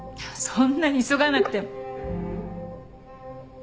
そんなに急がなくても。